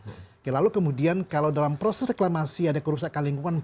oke lalu kemudian kalau dalam proses reklamasi ada kerusakan lingkungan